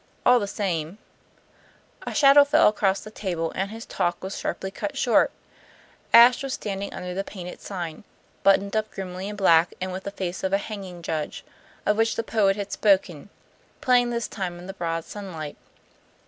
All the same " A shadow fell across the table, and his talk was sharply cut short. Ashe was standing under the painted sign, buttoned up grimly in black, and with the face of the hanging judge, of which the poet had spoken, plain this time in the broad sunlight.